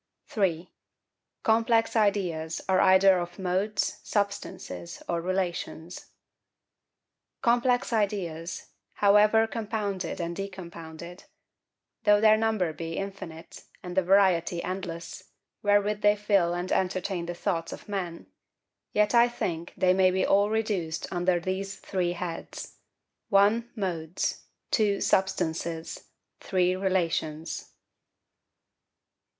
3. Complex ideas are either of Modes, Substances, or Relations. COMPLEX IDEAS, however compounded and decompounded, though their number be infinite, and the variety endless, wherewith they fill and entertain the thoughts of men; yet I think they may be all reduced under these three heads:—1. MODES. 2. SUBSTANCES. 3. RELATIONS.